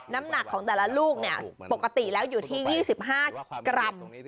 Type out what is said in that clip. น้ำหนักของแต่ละลูกปกติแล้วอยู่ที่๒๕กรัม